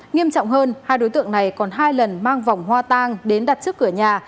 nghiêm trọng hơn hai đối tượng này còn hai lần mang vòng hoa tang đến đặt trước cửa nhà